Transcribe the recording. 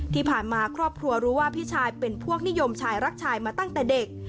ที่ผ่านมาครอบครัวรู้ว่าพี่ชายเป็นพวกนิยมชายรักชายมาตั้งแต่เด็ก